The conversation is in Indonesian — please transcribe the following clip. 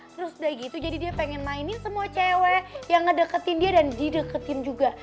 terus udah gitu jadi dia pengen mainin semua cewek yang ngedeketin dia dan dideketin juga